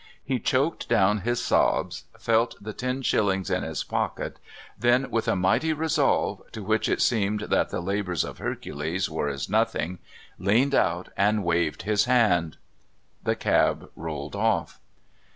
He choked down his sobs, felt the ten shillings in his pocket, then with a mighty resolve, to which it seemed that the labours of Hercules were as nothing, leaned out and waved his hand. The cab rolled off.